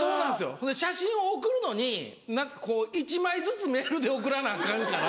ほんで写真を送るのに何かこう１枚ずつメールで送らなアカンから。